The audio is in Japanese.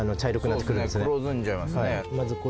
黒ずんじゃいますね。